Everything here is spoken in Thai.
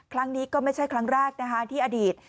ครั้งนี้ก็ไม่ใช่ครั้งแรกนะคะที่อดีต